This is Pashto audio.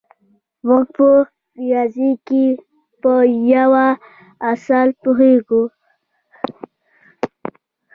موږ په ریاضي کې په یوه اصل پوهېږو